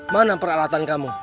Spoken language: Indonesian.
mana peralatan kamu